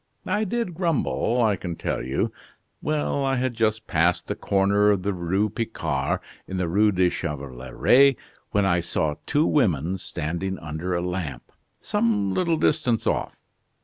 I did grumble, I can tell you. Well, I had just passed the corner of the Rue Picard, in the Rue du Chevaleret, when I saw two women standing under a lamp, some little distance off.